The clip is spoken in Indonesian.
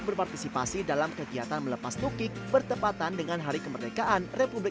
berpartisipasi dalam kegiatan melepas tukik bertepatan dengan hari kemerdekaan republik